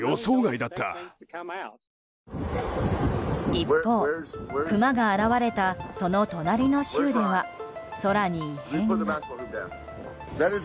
一方、クマが現れたその隣の州では空に異変が。